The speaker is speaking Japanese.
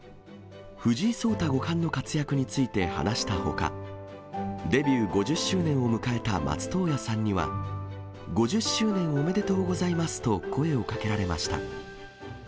藤井聡太五冠の活躍について話したほか、デビュー５０周年を迎えた松任谷さんには、５０周年おめでとうございますと声をかけられました。